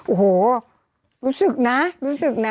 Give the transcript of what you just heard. โอ้โหรู้สึกนะ